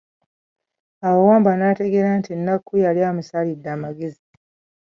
Awo Wambwa n'ategeera nti Nakku yali amusalidde amagezi.